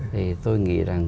thì tôi nghĩ rằng